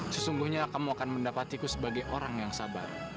sesungguhnya kamu akan mendapatiku sebagai orang yang sabar